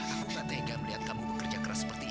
aku tak tega melihatmu bekerja keras seperti ini